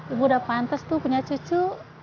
ibu udah pantas tuh punya cucu